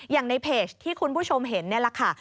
อย่างในเพจที่คุณผู้ชมเห็นนี่แหละค่ะ